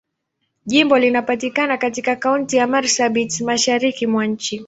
Jimbo linapatikana katika Kaunti ya Marsabit, Mashariki mwa nchi.